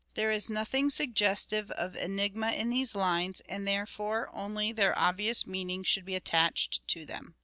' There is nothing suggestive of enigma in these lines, and therefore, only their obvious meaning should be attached to them.